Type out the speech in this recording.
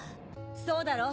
そうだろ？